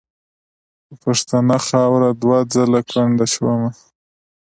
په پښتنه خاوره دوه ځله کونډه شومه .